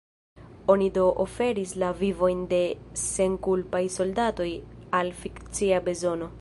Oni do oferis la vivojn de senkulpaj soldatoj al fikcia bezono.